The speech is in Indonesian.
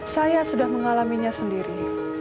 saya sudah mengalaminya sendiri